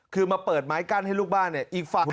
คือมาเปิดไม้กั้นให้ลูกบ้านเนี่ยอีกฝั่ง